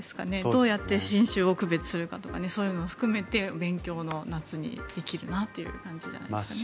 どうやって新種を区別するかとかそういうのを含めて勉強の夏にできるなという感じじゃないでしょうか。